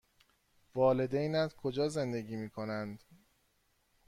والدینت کجا زندگی می کنند؟